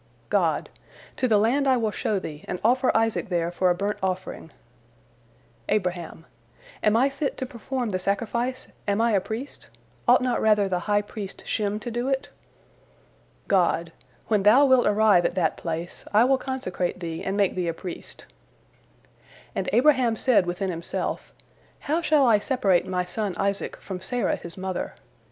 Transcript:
God: "To the land I will show thee, and offer Isaac there for a burnt offering." Abraham: "Am I fit to perform the sacrifice, am I a priest? Ought not rather the high priest Shem to do it?" God: "When thou wilt arrive at that place, I will consecrate thee and make thee a priest." And Abraham said within himself, "How shall I separate my son Isaac from Sarah his mother?"